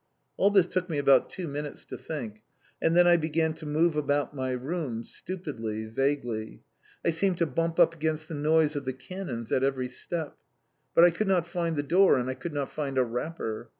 All this took me about two minutes to think, and then I began to move about my room, stupidly, vaguely. I seemed to bump up against the noise of the cannons at every step. But I could not find the door, and I could not find a wrapper.